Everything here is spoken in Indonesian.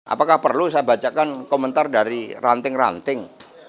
apakah perlu saya bacakan komentar dari ranting ranting